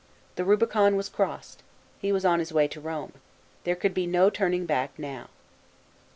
The Hubicon was crossed. He was on his way to Rome. There could be no turning back now.